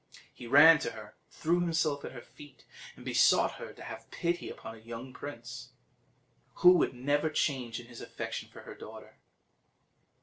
He ran to her, threw himself at her feet, and besought her to have pity upon a young prince, who would never change in his affection for her daughter.